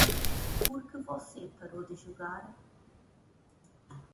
Por que você parou de jogar?